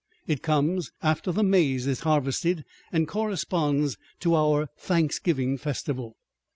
It comes after the maize is harvested and corresponds to our Thanksgiving festival.